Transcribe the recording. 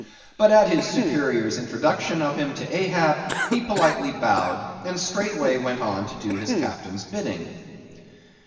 But, at his superior's introduction of him to Ahab, he politely bowed, and straightway went on to do his captain's bidding.